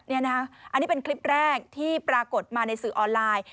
นี่นะอันนี้เป็นคลิปแรกที่ปรากฏมาในสื่อออนไลน์